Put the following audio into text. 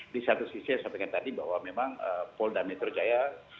di satu sisi saya sampaikan tadi bahwa memang polda metro jaya